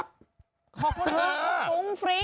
ขอบคุณครับฟรุ้งฟริ้ง